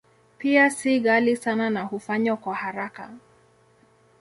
Pia si ghali sana na hufanywa kwa haraka.